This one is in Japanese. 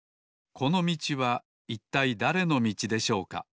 このみちはいったいだれのみちでしょうか？